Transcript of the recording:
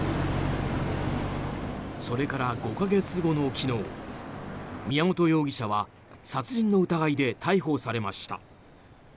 それから５か月後の昨日宮本容疑者は殺人の疑いで逮捕されました。